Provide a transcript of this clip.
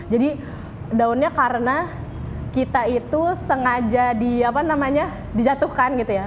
jadi downnya karena kita itu sengaja dijatuhkan gitu ya